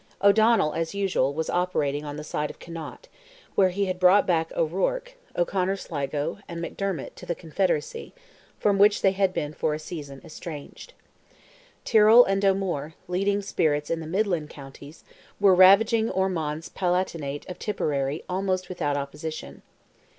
O'Donnell, as usual, was operating on the side of Connaught, where he had brought back O'Ruarc, O'Conor Sligo, and McDermot, to the Confederacy, from which they had been for a season estranged. Tyrrell and O'Moore, leading spirits in the midland counties were ravaging Ormond's palatinate of Tipperary almost without opposition.